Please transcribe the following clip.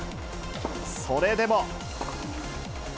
それでも。